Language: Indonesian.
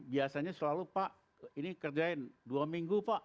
biasanya selalu pak ini kerjain dua minggu pak